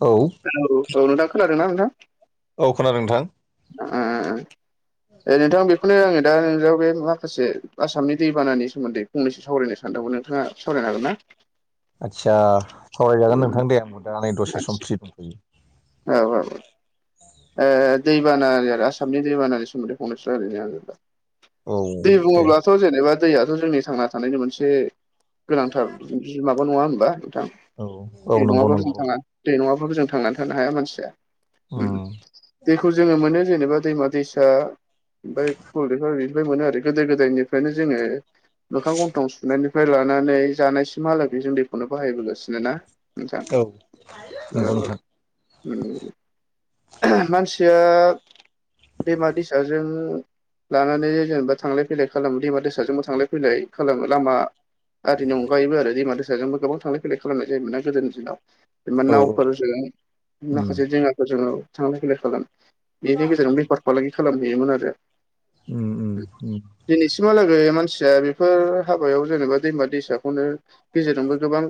औ औ औ नों दा खोनादों ना नोंथा औ खोनादों नोंथां [unintelligible] ए नोंथां बेखौनो आङो दा नोंाव बे माखासे आसामनि दैबानानि सोमोन्दै फंनैसो सावरायनो सानदोंमोन नोंथाङा सावरायनो हागोन ना आदसा सावरायजागोन नोंथां दे आं दा नै दसे सम फ्रि दंफैयो औ औ दैबाना आरो आसामनि दैबानानि सोमोन्दै फंनोसो्रा ओरैनो आङो दा औ दै दे बुङोब्लाथ' जेनेबा दैयाथ' जोंनि थांना थानायनि मोनसे गोनांथार ज माबा नङा होनबा नोंथां औ औ बे नंगौ नङाब्ला' जों नंगौ थाङा दै नङाबफोराबो जों थांनानै थानो हाया मानसिया उम दैखौ जोङो मोनो जेनेबा दैमा दैसा ओमफफ्राय गबलिफ बिनिफ्राय मोनो आरो गोदो गोदायनिफ्रायनो जोङो मोखा गन्थं सुनायनिफ्राय लानानै जानायसिमहालागै जों दैखौनो बाहायबोगासिनो ना मजां औ नंगौ औ नोंथां मानसिया बेमा दैसाजों लानानै जेनेबा थांलाय फैलाय खालामो दैमा दैसाजोंबो थांलाय फैलाय खालामो लामा गारिनि अनगायैबो आरो दैमा दैसाजोंबो गोबां थांलायैाय खालामनाय जायोमोना गोदोनि दिनाव जेनबा औ नावफोरजों उम माखासे जेंनाफोर जोङो थांलाय फैलाय खालामोन बेनि गेजेरजों बेफार फालांगि खालामहैयोमोन आरो उम उम उम दिनैसिमहालागै मानसिया बेफोर हाबायाव जेनेबा दैमा दैसाखौनो गेजेरजोंबो गोबां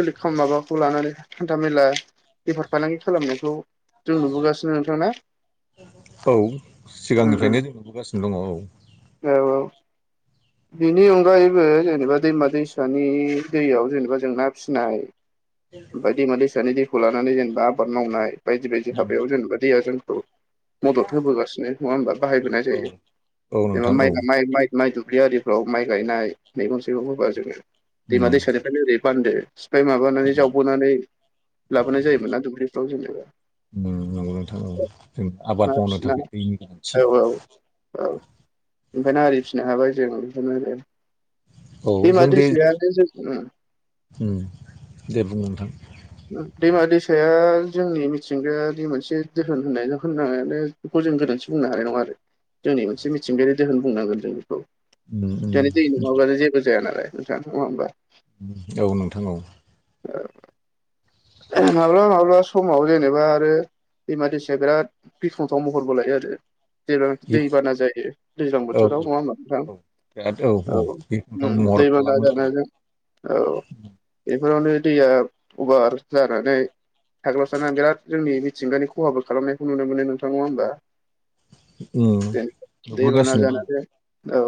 सोल माबाखौ लानानै हान्था मेला बेफार फालांगि खालामनायखौ जों नुबोगासिनो नोंथांना औ उम उम सिगांनिफ्रायनो जों नुबोगासिनो दङ औ औ औ बिनि अनगायैबो जेनेबा दैमा दैसा फसानि दैयाव जेनेबा जों ना फिसिनाय [inaudible] बायदि मा दैसानि दैखौ लानानै जेनेबा आबाद मावनाय बायदि बायदि उम हाबायाव जेनेबा दैया जोंखौ मदद होबोगासिनो नङा होनबा बाहायबोनाय औ जायो औ जेनेबा नोंथां औौ माइ माइ माइ माइ दुब्लि आरिफ्राव माइ गायनाय मैगं थाइगं होबा जोङो उम दैमा उम दैसानिफ्रायनो ओरै बान्दो सिफाय माबानानै जावबोनानै लाबोनाय जायोमोन ना दुब्लिफ्राव जेनेबा [unintelligible] आबाद ना मावनो फिसिना थाखाय दैनि गोनांथि औ औ औ ओंखायनो आरि फिसिनो हाबाय जों बेखौनो आरो औ दैमा जों दे दैसायानो जों दे बुं नोंथां दैमा दैसाया जोंनि मिथिंगाया मोनसे दोोन होननाय बेखौ जों गोरोन्थि बुंनो हानाय नङा आरो जोंनि मोनसे मिथिंगायारि दोहोन बुंनांगोन जों बेखौ उम उम बे ज दैनि नङाब्लाानो जेबो जाया नाल नोंथां नङा होनोमबा औ नोंथां औ माब्ला माब्ला समाव जेनेबा आरो दैमा दैसाया बिराद गिख्रंथाव महरबो लायो आरो जेबां दैबाना जायो दैज्लां औ बोथोराव नङा होमबा नोंथां औ बिराद औ बे महर दैबानाना खालामो औ जानायजों औ बेफोरावनो दैया उभार जानानै थाग्लबसानानै बिराद जोंनि जिंगानि खहााब खालामनायखौ नुनो मोनो नोंथां नङा होनोमबा उम द दैब न नुबोगासिनो दङ जाना द औ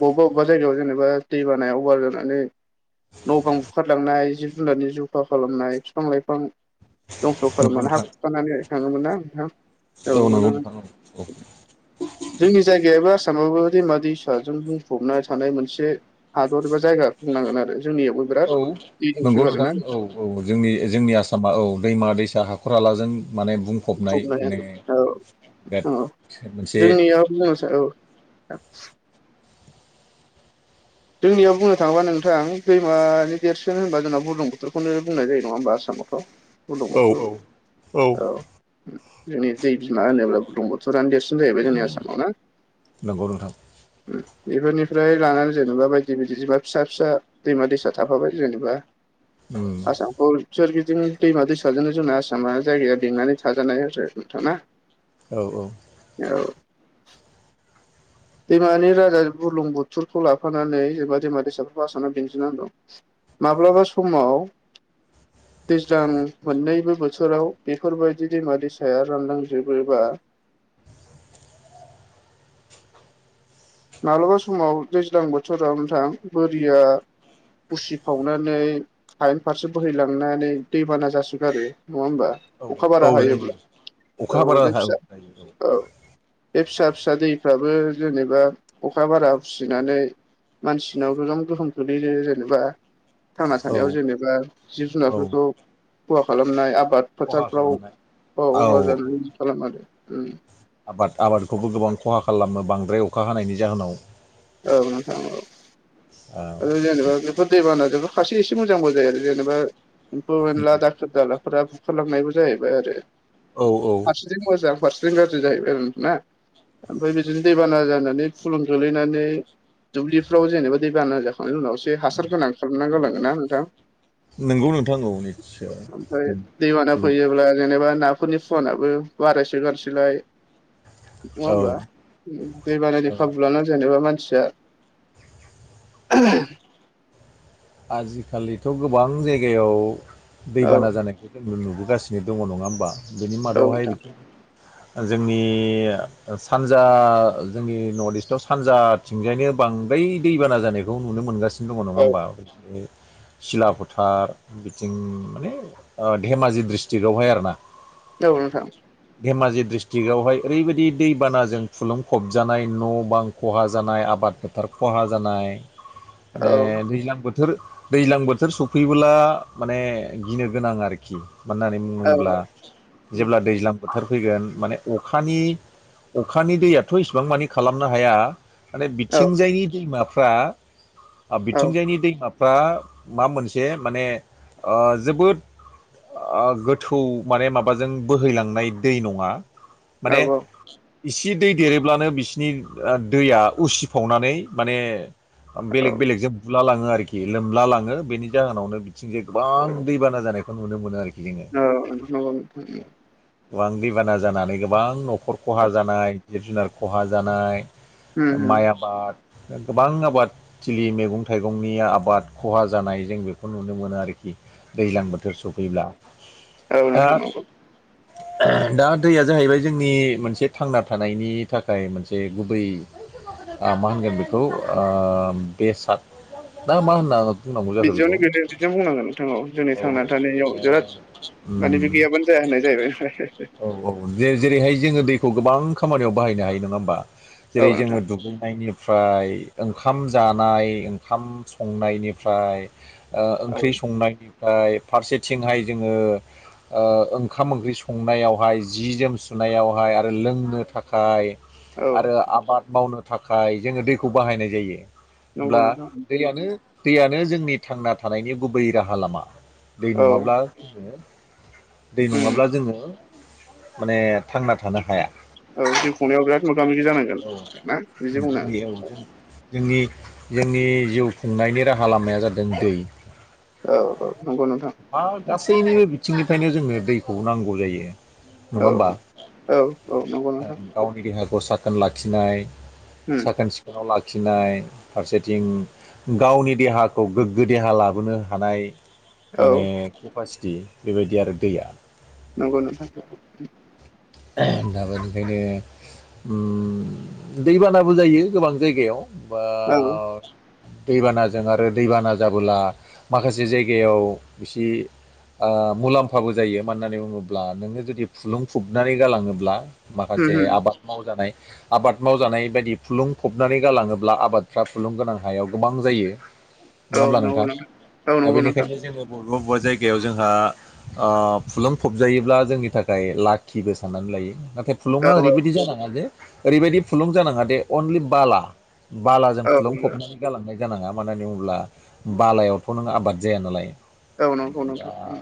बबेबा बबेबा जायगायाव जेनेबा दै बानाया अभार जानानै न' बां बुखारलांनाय जिब जुनुनारनि जखा खालामनाय बिफां लाइफां दंस' नंगौ खालामनानै हा नोंथां खुखानानै थाङोमोन नां मोनोमोन अ जोंनि जायगायाबो आसामाबो दैमा दैसाजों बुंफबना थानाय मोनसे हादर एबा जायगा बुंनांगोन आरो जोंनियावबो बिराद औ दै नंगौ दंसोयो आरोना नोंथां औ औ जोंनि जोंनि आसामा औ दैमा दैसा हाखर हालाजों माने बुं फबनाय माने बिराद मोनसे सार औ जोंनियाव बुंनो थाङोबा नोंथां दैमानि देरसोन होनबा जोंना बुलम बोथोरखौनो बुंनाय जायो नङा होमबा आसामावथ' बुदं औ बोथोर औ औ जोंनि दै बिमा होनोब्ला बुदं बथोर ुरानो देरसिन जाहैबाय जोंनि आसामाव ना नंगौ नोंथां बेफोरनिफ्राय लानानै जेनेबा बायदि बायदि जबा फिसा फिसा दैमा दैसा थाफाबाय जेनेबा उम आसामखौ सोरगिदिं दैमा दैसाजोंनो जोंना आसामा जायगाया बेंनानै थाजानाय आरो नोंथाङा [inaudible] औ औ औ दैमानि राजा गुलुं बुथुरखौ लाफानानै जेनेबा दैमा दैसाफोरखौ आसामानाव दिन्थिनांगौ माब्लाबा समाव दैज्लां मोननैबो बोथोराव बेफोरबायदि दैमा दैसाया रानलांजोबोबा माब्लाबा समाव दैज्लां बोथोराव नथां बोरिया उसिफावनानै टाइम फारसे बोहैलांनानै दैबाना जासोगारो नङा हबा औ अखा औ बारा जायो हायोब्ला अखा औ बारा बे फिसा जायो औ बे फिसा फिसा दैफ्राबो जेनेबा अखा बारा फिसिनानै मानसिनाव गोबोम गोहोम खख्लैयो जेनेबा थांना थानायाव औ जेनेबा जिब औ जुनारफोरखौ खहा खालामनाय आबाद खहा फोथारफ्राव खालामनाय अबा औ जानानै खालाम आरो आबाद आबादखौबो गोबां खहा खालामो बांद्राय अखा हानायनि जाहोनाव औ नोंथां औ औ आरो जेनेबा बेफोर दैबानाजोंबो खारसे एसे मोजांबो जायो आरो जेनेबा एम्फौ एनला दाखोर दालाफोरा बुखारलांनायबो जाहैबाय आरो औ औ फारसेथि मोजां फारसेथिं गाज्रि जाहैबाय आरो ना ओमफ्राय बिदिनो दैबाना जानानै फुलुं ख्लैनानै दुब्लिफ्राव जेनेबा दै बाना जाखांनायनि उनावसो हासार गोनां खालामनांगौ लाांगोन ना नोंथां नंगौ नोंथां औ निस्सय ओमफ्राय दैबाना फैयोब्ला जेनेबा ना नखरनि फुनआो बारायसो गारसैलाय नङा होमबा औ दैबान दै औ खाबु लानानै जेनबा मानसिया [unintelligible] आजिखालिथ' गोबां जायगायाव औ दैबाना जानायखौ जोंनो नुबोगासिनो दङ नङा होमबा बेनि औ मादावहाय नोंथां बिदि जोंनि सानजा जोंनि नर्थ इस्टआव सानजा थिंजायनो बांद्राय दैबाना जानायखौ नुनो मोनगासिनो दङ नङा औ होमबा सिला फोथार बिथिं माने धेमाजि ड्रिस्ट्रिकआवहाय आरोना औ नोंथां धेमाजि डस्ट्रिक्टवहाय ओरैबायाददि दैबानाजों खुलुंफबजानाय न' बां खहा जानाय आबाद फोथार खहा जानाय [inaudible] माने दैज्लां बो बोथोर दैज्लां बोथोर सफैब्ला माने गिनो गोनां आरोखि मानो होन्नानै औ बुङोब्ला जेब्ला दैज्लां बोथोर फैगोन माने अखानि अखानि दैयाथ' इसिबां मानि खालामनो हाया माने औ बिथिंजायनि दैमाफ्रा बिथिंजायनि दैमाफो फ्रा मा मोनसे माने जोबोद गोथौ माने माबाजों बोहैलांनाय दै नङा औ माने इसे दै देरोब्लानो बिसिनि दैया उसिफावनानै माने औ बेलेग बेलेगजों बुला लाङो आरोखि लोमला लाङो बेनि जाहोनावनो बिथिं जे गोबां दैबाना जानायखौ नुनो मोनो आरोखि जोङो औ नंगौ नोंथां गोबां दैबाना जानानै गोबां न'खर खहा जानाय जिब जुनार खहा जानाय उम उम माइ आबाद गोबां आबाद थिलि मैगं थाइगंनि आबाद बाद खहा जानाय जों बेखौ नुनो मोनो आरोखि दैज्लां बोथोर सफैब्ला औ दा नोंथां नंगौ दा दैया जाहैबाय जोंनि मोनसे थांना थानायनि थाखाय मोनसे गुबै मा होनगोन बेखौ बेसाद बा मा [unintelligible] बेखौ बिदियावनो बेनो बिदियाव बुंनांगोन नोंथां औ जोंनि थांना थानायाव बिराद माने बि उम गैयाबानो जाया होननाय जाहैबाय ओमफ्राय औ औ जेरैहाय जोङो दैखौ गोबां खामानियाव बाहायनो हायो नङा होमबा औ जेरै नोंथां जोङो दुगैनायनि ओमफ्राय ओंखाम जानाय ओंखाम संनायनिफ्राय औ ओंख्रि संनायनिफ्राय फारसेथिंहाय जोङो ओंखाम ओंख्रि संनायावहाय जि जोम सुनायावहाय आरो लोंनो थाखाय औ आरो आबाद मावनो थाखाय जोङो दैखौ बाहायनाय जायो नंगौ होमब्ला नोंथां दैया दैयानो जोंनि थांना थानायनि गुबै राहा लामा दै औ नङाब्ला जोङो दै उम नङाब्ला जोङो माने थांना थानो हाया औ जिउ खुंनायाव बिराद मोगा मोगि जानांगोन औ ना बिदि बुंनो [unintelligible] जोंनि जोंनि जिउ खुंनायनि राहा लामाया जादों दै औ-औ नंगौ नोंथां ह गासैनिबो बिथिंनिफ्रायनो जोंनो दैखौ नांगौ जायो नङा औ होमबा औ औ नंगौ नोंथां गावनि देहाखौ साखोन लाखिनाय उम साखोन सिखोनाव लाखिनाय फारसेथिं गावनि देहाखौ गोग्गो देहा लाबोनो हानाय औ माने केपासिटि बेबायदि आरो दैया नंगौ नोंथां दाबो ओंखायनो दैबानाबो जायो गोबां जायगायाव बा औ दैबानाजों आरो दैबाना जाबोला माखासे जायगायाव एसे मुलाम्फाबो जायो मानो होननानै बुङोब्ला नोङो जुदि फुलुं फुब खुरनानै गालाङोब्ला उम माखासे उम आबाद मावजानाय आबाद मावजानाय बायदि फुलुं फबनानै गालाङोब्ला आबादफ्रा फुलुंगोनां हायाव गोबां जायो नङा औ होमब्ला नंगौ नोंथां न औ दा नंगौ नोंथां। बेनिखायनो जोङो बबेबा बबेबा जायगायाव जोंहा फुलुंफबजायोब्ला जोंनि थाखाय लाख बो साननानै लायो नाथाय फुलुङा औ औ ओरैबायदि जानाङा जे ओरैबायदि फुलुं जानाङा दे अनलि बाला बालाजों औ फुलुंफबनानै गालांनाय जानाङा मानो होन होनब्ला बालायावथ' नों आबाद जाया नालाय औ नंगौ नोंथां उम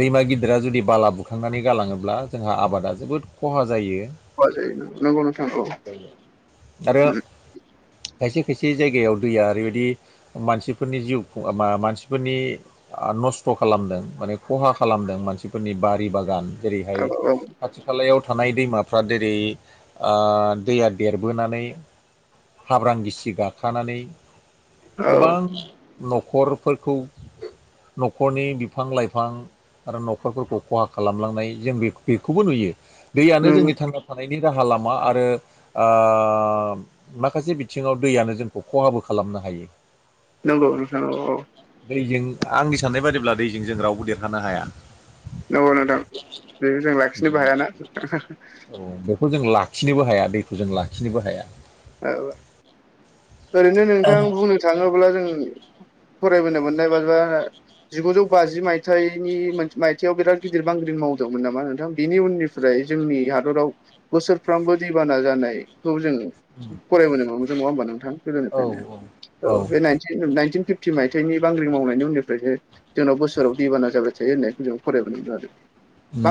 दैमा गिदिरा जुदि बाला बुखांनानै गालाङोब्ला जोंहा आबादा जोबोद खहा जायो। ब जायना नख सख आरो खायसे खायसे जायगायाव दैया ओरैबायदि मानसिफोरनि जिउ ख मानसिफोरनि नस्थ' खालामदों माने खहा खालामदों मानसिफोरनि बारि बागान जेरैहाय औ औ खाथि खालायाव थानाय दैमाफ्रा जेरै दैया देरबोनानै हाब्रां गिसि गाखानै औ गोबां न'खरफोरखौ न'खरनि बिफां लाइफां आरो न'खरफोरखौ खहा खालामलांनाय जों बे बेखौबो नुयो दैयानो नंगौ जोंनि थांना थानायनि राहा लामा आरो माखासे बिथिङाव दैयानो जोंखौ खहाबो खालामनो हायो। नंगौ औ। दैजों आंनि साननाय बादिब्ला दैजों जों रावबो देरहानो हाया। नगौ न दं बेबो जों लाखिनोबो हायाना औ बेखौ जों लाखिनोबो हाया दैखौ जों लाखिनोबो हाया। औ ओरैनो नोंथां बुंनो थाङोब्ला जों फरायबोनो मोननाय बादिबा जिगुजौ बाजि मायथाइनि मायथाइयाव बिराद गिदिर बांग्रि मावदोंमोन नामा नोंथां बिनि उननि फ्राय जोंनि हादराव बोसोरफ्रामबो दैबाना जानायखौ जों फरायबोनाय नङा मोजों नङा होमबा नोंथां औ औ गोदोनिफ्रायनो औ बे नाइ नाइनटिन फिफ्टि मायथाइनि बांग्रि मावनायनि उननिफ्रायनो जोंनाव बोसोराव दैबाना जाबाय थायो होननायखौ जों फरायबानो मोनदों आरो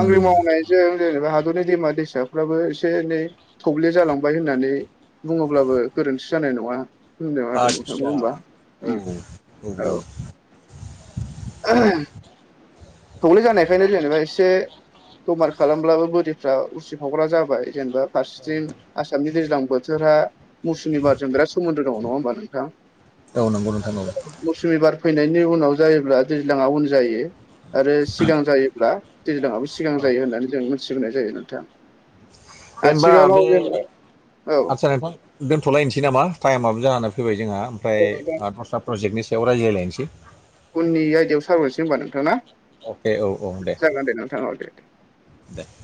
बांग्रि मावनाय जों जेनेबा हादरनि दैमा दैसाफ्राबो एसे एनै थब्ले जालांबाय होननानै बुङोब्लाबो गोरोन्थि जानाय नङा। होनदों नोंथाङा आदसा होमबा औ औ [inaudible] थौले जानायखायनो जेनेबा एसे दमार खालामब्लाबो बिफ्रा उसिफावग्रा जाबाय जेनेबा फारसेथिं आसामनि दैज्लां बोथोरा मुसुमि बारजों बिराद सोमोन्दो दङ नङा होमबा नोंथां औ नंगौ नोंथां औ मुसुमि बार फैनायनि उनाव जायोब्ला दैज्लाङा उन जायो। आरो सिगां जायोब्ला दैज्लाङाबो सिगां औ जायो होननानै जों मिथिग्रोनाय जायो नोंथां जेनबा बे आथिखालाव जोङो औ आदसा नोंथां दोनथ'लायनोसै नामा टाइमाबबो जानानै फैबाय जोंहा ओमफ्राय नोंथां दसथा प्रजेक्नि सायाव रायज्लायनोसै उननि आयदायाव सारहरनोसै होनबा नोंथाङा अके औ औ जागोन दे नोंथांनाव दे दे दे